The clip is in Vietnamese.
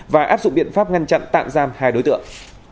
và áp dụng biện pháp ngăn chặn tạm giam hai đối tượng